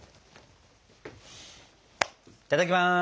いただきます。